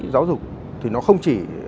giáo dục thì nó không chỉ